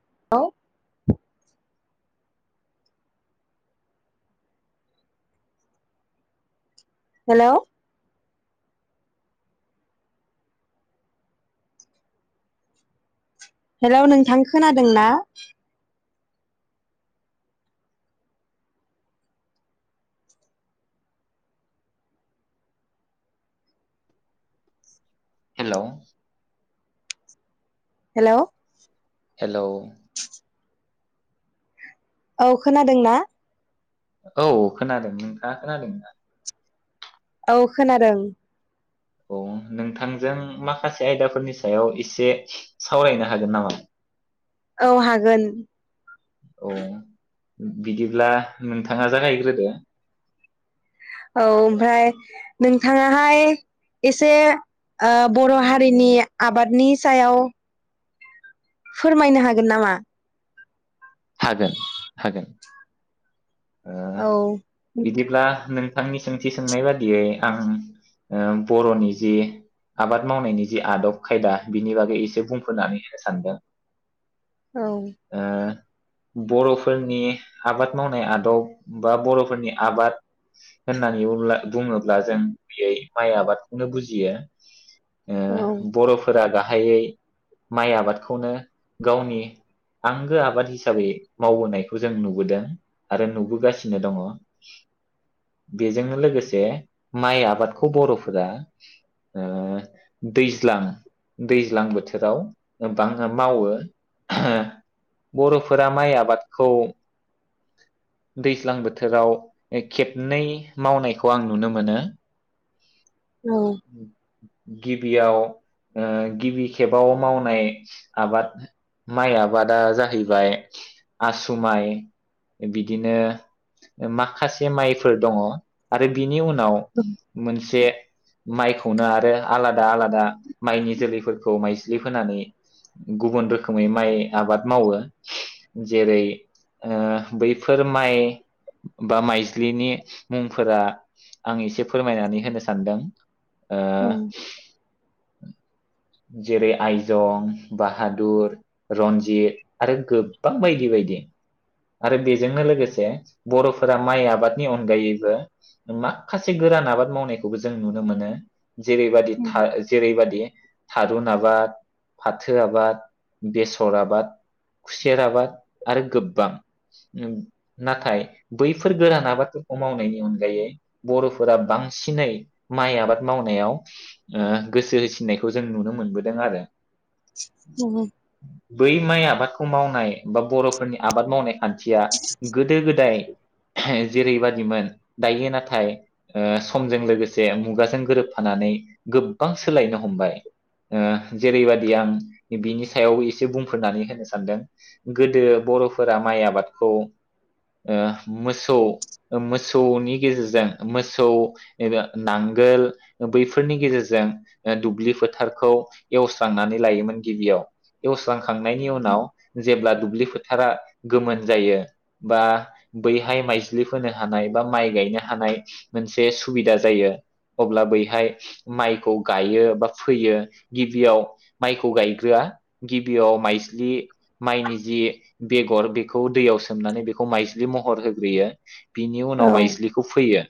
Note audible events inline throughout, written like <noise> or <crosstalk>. <unintelligible> हेल' hello नोंथां खोनादों ना? हेल' हेल' हेलौ औ खोनादोंना? औ खोनादों नोंथाङा खोनादोंना औ खोनादों औ नोंथांजों माखासे आयदाफोरनि सायाव एसे सावरायनो हागोन नामा? औ हागोन औ बिदिब्ला नोंथाङा जागायग्रोदो औ ओमफ्राय नोंथाङाहाय एसे ओ बर' हारिनि आबादनि सायाव फोरमायनो हागोन नामा? हागोन हागोन ओ औ बिदिब्ला नों थांनि सोंथि सोंनाय बादियै आं ओ बर'नि जि आबाद मावनायनि जि आदब खायदा बिनि बागै एसे बुंफोरनानै होनो सानदों औ ओ बर'फोरनि आबाद मावनाय आदब बा बर'फोरनि आबाद होननानै बुङो बुङोब्ला जों बेै माइ आबादखौनो बुजियो ओ औ बर'फोरा गा हायै माइ आबादखौनो गावनि आंगो आबाद हिस साबै मावबोनायखौ जों नुबोदों आरो नुबोगासिनो दङ' बेजोंनो लोगोसे माइ आबादखौ बर'फोरा ओ दैज्लां दैज्लां बोथोराव ओ बां मावो बर' फोरा माइ आबादखौ दैज्लां बोथोराव खेबनै मावनायखौ आं नुनो मोनो औ गिबियाव ओ गिबि खेबाव मावनाय आबाद माइ आबादा जाहैबाय आसु माइ बिदिनो माखासे माइफोर दङ' आरो बि नि उनाव मोनसे माइखौनो आरो आलादा आलादा माइनि जोलैफोरखौ खौ माइज्लि फोनानै गुबुन रोखोमै माइ आबाद मावो जेरै ओ बैफोर माइ बा माइज्लिनि मुंफोरा आं एसे फोरमायनानै होनो सानदों ओ औ जेरै आइजं बाहादुर रन्जित आरो गोबां बायदि बायदि आरो बेजोंनो लोगोसे बर'फोरा माइ आबादनि अनगायैबो माखासे गोरान आबाद मावनायखौबो जों नुनो मोनो जेरैबायादि था जेरैबायादि था रुन आबाद फाथो आबाद बेसर आबाद खुसेर आबाद आरो गोबां नाथाय बैफोर गोरान आबादफोरखौ मावनायनि अनगायै बर'फोरा बांसिनै माइ आबाद मावनायाव ओ गोसो होसिननायखौ जों नुनो मोनबोदों आरो जोङो बै माइ आबादखौ मावनाय बा बर'फोरनि आबाद मावनाय खान्थिया गोदो गोदाय जेरैबादिमोन दायो नाथाय ओ समजों लोगोसे मुगाजों गोरोबफानानै गोबबां सोलायनो हमबाय ओ जेरैबाददि आं बिनि सायाव एसे बुंफोरनानै होनो सानदों गोदो बर'फोरा माइ आबादखौ ओ मोसौ मोसौनि गेजेरजों मोसौ एब नांगोल बैफोरनि गेजेरजों दुब्लि फोथारखौ एवस्रांनानै लायोमोन गिबियाव एवस्रां खांनायनि उनाव जेब्ला दु दुब्लि फोथारा गोमोन जायो बा बैहाय माइज्लि फोनो हानाय बा माइ गायनो हानाय मोनसे सुबिदा जायो। अब्ला बैहाय माइखौ गायो बा फैयो गिबियाव माइखौ गायग्रोआ गिबियाव माइज्लि माइनि जि बेगर बेखौ दैयाव सोमनानै बेखौ माइज्लि महर होग्रोयो बिनि उनाव औ माइस्लिखौ फोयो।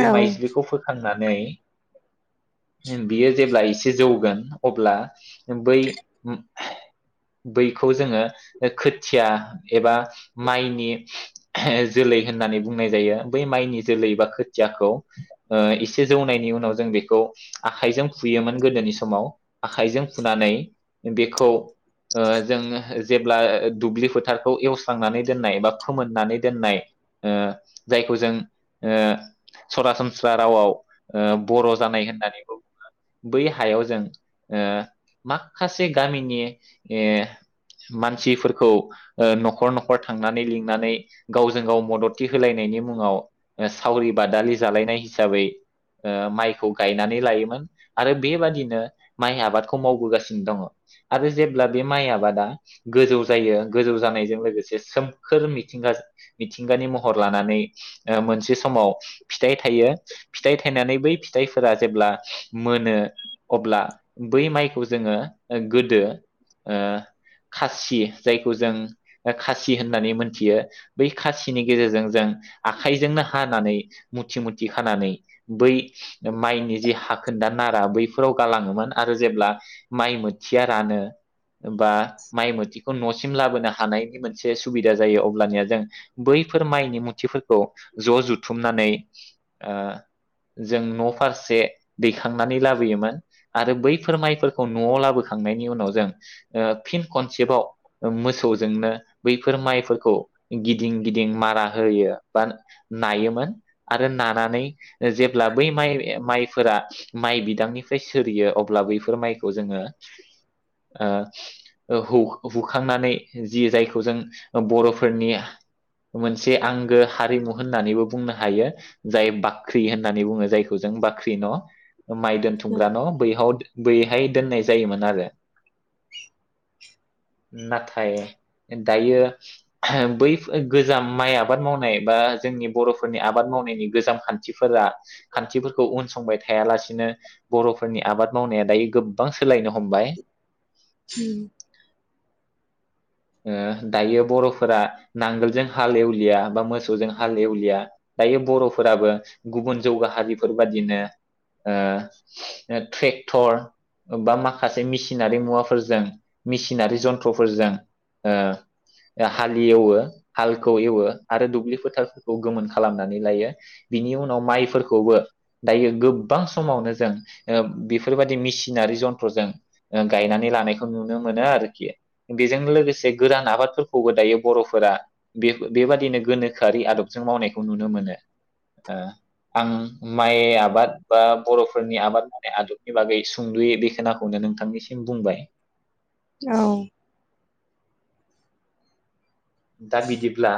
बे माइज बेखौ फोखां नानै बियो जेब्ला एसे जौगोन अब्ला बै बैखौ जोङो खोथिया एबा माइनि जोलै होननानै बुंनाय जायो बै माइनि जोलै बा खोथियाखौ एसे जौनायनि उनाव जों बेखौ आखाइजों फुयोमोन गोदोनि समाव आखाइजों फुनानै बेखौ ओ जों जेब्ला दुब्लि फोथारखौ एवस्रांनानै दोननाय बा फोमोननानै दोननाय जायखौ जों सरासन सा रावाव बर' जानाय होननानैबो बुङो बै हायाव जों माखासे गामिनि मानसिफोरखौ न'खर न'खर थांनानै लिंनानै गावजों गाव मददथि होलायनायनि मुङाव सावरि बादालि जालायनाय। हिसाबै ओ माइखौ गायनानै लायोमोन आरो बेबादिनो माइ आबादखौ मावबोगासिनो दङ आरो जेब्ला बे माइ आबादा गोजौ जायो गोजौ जानायजों लोगोसे सोमखोर मिथिंगा मिथिंगानि महर लानानै मोनसे समाव फिथाइ थायो। फिथाइ थायनानै बै फिथाइफोरा जेब्ला मोनो अब्ला बै माइखौ जोङो गोदो ओ खासि जायखौ जों खासि होननानै मोनथियो बै खासिनि गेजेरजों जों आखाइजोंनो हानानै मुथि मुथि दि खानानै बै माइनि जि हाखोन्दा नारा बैफोराव गालाङोमोन आरो जेब्ला माइ मोथिया रानो बा माइ मोथिखौ न' सिम लाबोनो हानायनि मोनसे सुबिदा जायो अब्लानिया जों बैफोर माइनि मुथिफोरखौ ज' जुथुमनानै जों न' फारसे ओ दैखांनानै लाबोयोमोन आरो बैफोर माइफोरखौ न'आव लाबोखांनायनि उनाव जों फिन खनसेबाव मोसौजोंनो बैफोर माइफोरखौ गिदिं गिदिं मारा होयो बा नायोमोन आरो ना नानै जेब्ला बै माइ माइ फोरा माइ बिदांनिफ्राय सिरियो अब्ला बैफोर माइखौ जोंङो हुखांनानै जि जायखौ जों बरफोरनि मोनसे आंगो हारिमु होननानैबो बुंनो हायो। जाय बाख्रि होननानै बुङो जायखौ जों बाख्रि न माइ दोनथुमग्रा न बै आव बैहाय दोननाय जायोमोन आरो नाथाय दायो बै गोजाम माइ आबाद मावनाय बा जोंनि बरफोरनि आबाद मावनायनि गोजाम खान्थिफोरा खान्थिफोरखौ उन संबाय थायालासिनो बरफोरनि आबाद मावनाया दायो गोबां सोलायनो हमबाय। उम ओ दायो बरफोरा नांगोलजों हाल एवलिया बा मोसौजों हाल एवलिया दायो बरफोराबो गुबुन जौगाहारिफोरबादिनो ट्रेक्टर बा माखासे मेसिनारि मुवाफोरजों मेसिनारि जन्थ्रफोरजों हाल एवो हालखौ एवो आरो दुब्लि फोथारफोरखौ गोमोन खालामनानै लायो बिनि उनाव माइफोरखौबो दायो गोबां समावनो जों बेफोरबायदि मेसिनारि जन्थजों गायनानै लानायखौ नुनो मोनो आरोखि बेजों लोगोसे लोगोसे गोरान आबादफोरखौबो दायो बरफोरा बे बेबादिनो गोनोखोआरि आदबजों मावनायखौ नुनो मोनो आं माइ आबाद बा बरफोरनि आबाद मावनाय आदबनि बागै सुंदुयै बे खोनखौनो नोंथांनिसिम बुंबाय। औ दा बिदिब्ला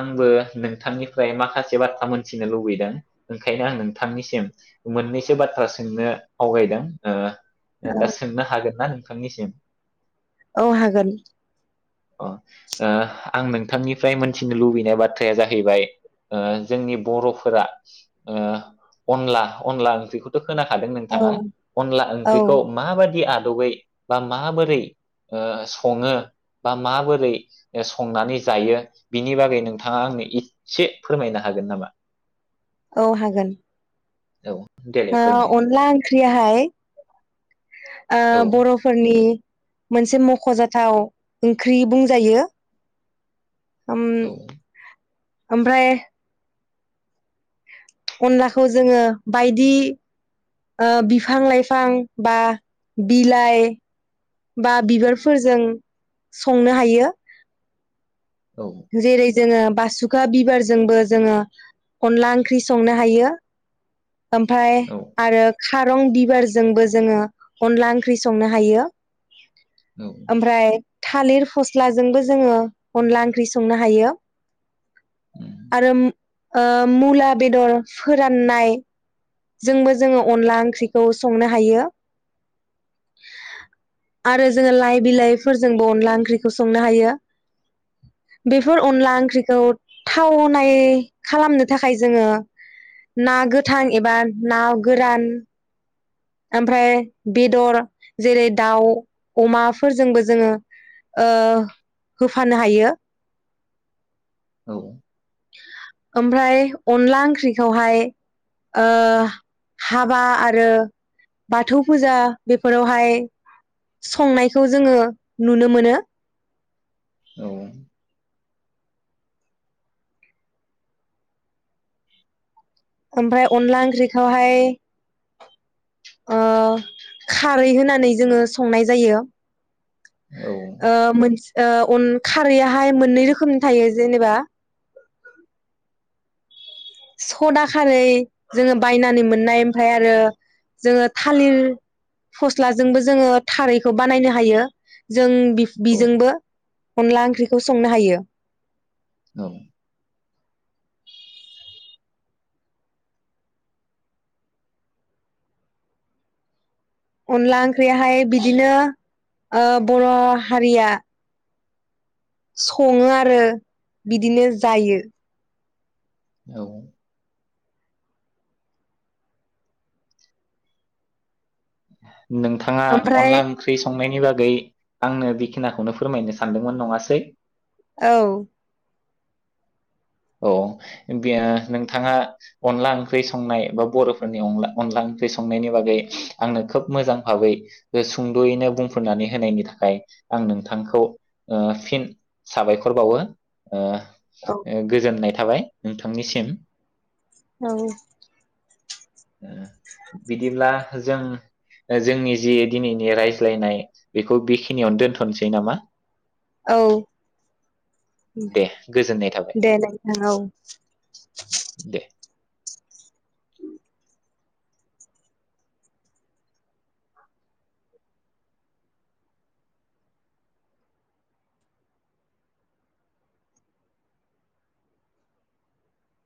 आंबो नोंथांनिफ्राय माखासे बाथ्रा मोनथिनो लुबैदों ओंखायनो आं नोंथांनिसिम मोननैसो बाथ्रा सोंनो आवगायदों ओ दा सोंनो हागोन ना नोंथांनिसिम औ हागोन। अ ओ आं नोंथांनिफ्राय मोनथिनो लुबैनाय बाथ्राया जाहैबाय जोंनि बरफोरा अनला अनला ओंख्रिखौथ खोनाखादों औ नोंथांङा अनला औ ओंख्रिखौ माबायदि आद -बै बा माबोरै ओ संङो बा माबोरै ओ संङो संनानै जायो बिनि बागै नोंथाङा आंनो इसे फोरमायनो हागोन नामा? औ हागोन। औ देलाय फोरमाय अनला ओंख्रियाहाय ओ औ बरफोरनि मोनसे मखजाथाव ओंख्रि बुंजायो हम औ ओमफ्राय अनलाखौ जोङो बायदि बिफां लाइफां बा बिलाइ बा बिबारफोरजों संनो हायो। औ जरै जोंङो बासुखा बिबारजोंबो जोंङो अनला ओंख्रि संनो हायो। ओमफ्राय औ आरो खारं बिबारजोंबो जोंङो अनला ओंख्रि संनो हायो। औ ओमफ्राय थालिर फस्लाजोंबो जोंङो अनला ओंख्रि सं नो हायो। उम, आरो मुला बेदर फोराननाय। जोंबो जोङो अनला ओंख्रिखौ संनो हायो आरो जोंङो लाइ बिलाइफोरजोंबो अनला ओंख्रिखौ संनो हायो बेफोर अनला ओंख्रिखौ थावनाय खालामनो थाखाय जोंङो ना गोथां एबा ना गोरान ओमफ्राय बेदर जेरै दाउ अमाफोरजोंबो जोंङो होफानो हायो। औ ओमफ्राय अनला ओंख्रिखौहाय ओ हाबा आरो बाथौ फुजा बेफोरावहाय संनायखौ जोंङो नुनो मोनो। औ ओमफ्राय अनला ओंख्रिखौहाय ओ खारै होनानै जोङो संनाय जायो ओ मोन ओ अन खारैआाहाय मोननै रोखोमनि थायो जेनेबा सदा खारै जोङो बायनानै मोननाय ओमफ्राय आरो जोङो थालिर फस्लाजोंबो जोङो खारैखौ बानायनो हायो जों औ बिजोंबो अनला ओंख्रिखौ संनो हायो औ अनला ओंख्रियाहाय बिदिनो ओ बर' हारिया सङो आरो बिदिनो जायो औ <inaudible> नोंथाङा ओमफ्राय अनला ओंख्रि संनायनि नि बागै आंनो बेखिनिखौनो फोरमायनो सानदोंमोन नङासै औ औ बेयो नोंथाङा अनला ओंख्रि संनाय बा बर'फोरनि अनला ओंख्रि संनायनि बागै आंनो खोब मोजां भाबै सुंद'यैनो बुंफोरनानै होनायनि थाखाय आं नोंथांखौ ओ फिन साबायखर बावो ओ औ ओ, गोजोननाय थाबाय नोंथांनिसिम औ बिदिब्ला जों जोंनि जि दिनैनि रायज्लायनाय बेखौ बेखिनियावनो दोनथ'नोसै नामा औ दे गोजोननाय थाबाय दे नोंथां औ दे